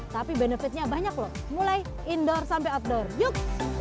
tapi benefitnya banyak loh mulai indoor sampai outdoor yuk